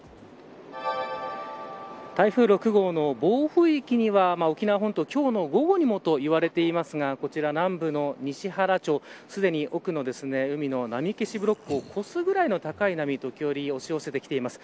台風６号の暴風域には沖縄本島、今日の午後にもと言われていますがこちら南部の西原町すでに奥の海の波消しブロックを越すくらいの高い波が時折押し寄せて来ています。